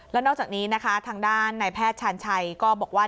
แล้วนอกจากนี้นะคะทางด้านนายแพทย์ชาญชัยก็บอกว่า